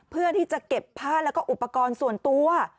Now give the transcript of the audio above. เพื่อที่จะเก็บผ้าแล้วก็อุปกรณ์ส่วนตัว